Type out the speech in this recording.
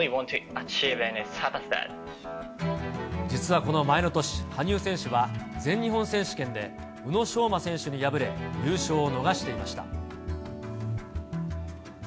実はこの前の年、羽生選手は、全日本選手権で宇野昌磨選手に敗れ、優勝を逃していました。